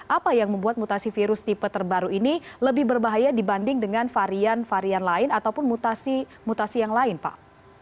apa yang membuat mutasi virus tipe terbaru ini lebih berbahaya dibanding dengan varian varian lain ataupun mutasi mutasi yang lain pak